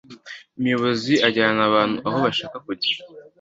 umuyobozi ajyana abantu aho bashaka kujya